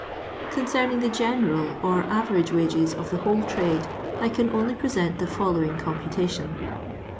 Concerning the general or average wages of the whole trade, I can only present the following com putation.